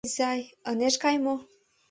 Эчан изай ынеж кай ала-мо?